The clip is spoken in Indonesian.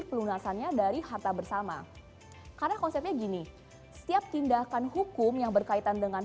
pelunasannya dari harta bersama karena konsepnya gini setiap tindakan hukum yang berkaitan dengan